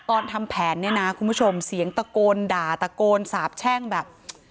ตอนทำแผนเนี่ยนะคุณผู้ชมเสียงตะโกนด่าตะโกนสาบแช่งแบบ